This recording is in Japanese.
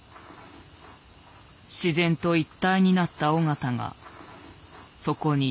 自然と一体になった尾形がそこにいた。